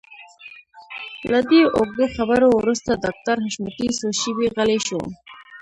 له دې اوږدو خبرو وروسته ډاکټر حشمتي څو شېبې غلی شو.